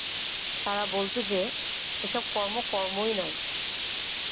তারা বলত যে, এ-সব কর্ম কর্মই নয়।